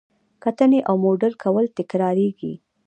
کتنې او موډل کول تکراریږي.